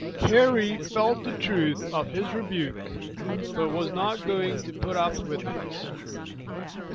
Harry felt the truth of this rebuke, but was not going to put up with it.